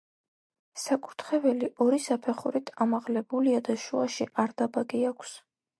საკურთხეველი ორი საფეხურით ამაღლებულია და შუაში არდაბაგი აქვს.